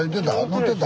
乗ってた？